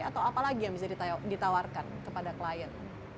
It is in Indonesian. atau apalagi yang bisa ditawarkan kepada klien